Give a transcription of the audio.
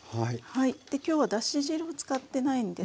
できょうはだし汁を使ってないんですね。